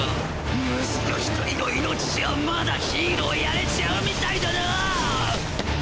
息子１人の命じゃァまだヒーローやれちゃうみたいだなァ！